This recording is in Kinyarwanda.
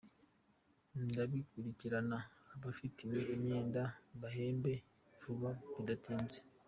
Ndabikurikirana abafitiwe imyenda mbahembe vuba bidatinze”.